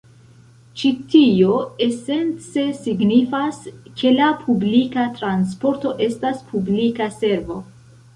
Ĉi tio esence signifas, ke la publika transporto estas publika servo.